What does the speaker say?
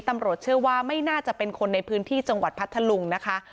ตำรวจเชื่อว่าไม่น่าจะเป็นคนในพื้นที่จังหวัดพัทธลุงนะคะ